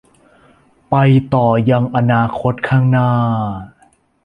ไปต่อยังอนาคตข้างหน้า